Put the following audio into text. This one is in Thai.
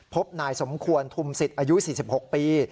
พบนายสมควรทุมศิษย์อายุ๔๖ปี